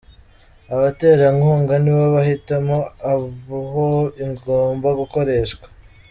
Abaterankunga nibo bahitamo aho igomba gukoreshwa .